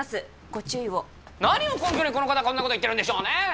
ご注意を何を根拠にこの方こんなこと言ってるんでしょうね